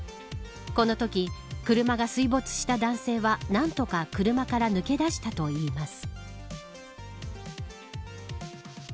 このとき、車が水没した男性は何とか車から抜け出したといいます。